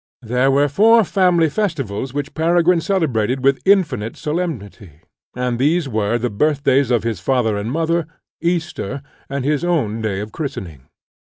There were four family festivals which Peregrine celebrated with infinite solemnity; and these were the birth days of his father and mother, Easter, and his own day of christening.